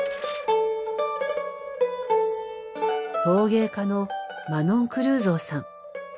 陶芸家のマノン・クルーゾーさん。